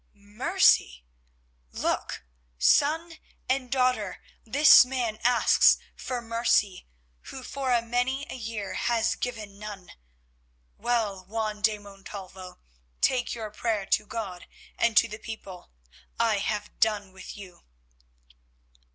"Mercy! Look, son and daughter, this man asks for mercy who for many a year has given none. Well, Juan de Montalvo, take your prayer to God and to the people. I have done with you."